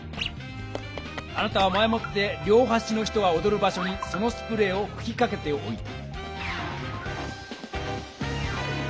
あなたは前もって両はしの人がおどる場所にそのスプレーをふきかけておいた。